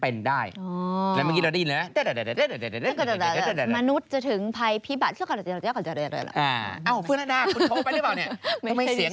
อ๋อฟรื้นด้านหน้าคุณโทรไปหรือเปล่าเนี่ยทำไมเสียงเสมือนแหละทีเดียว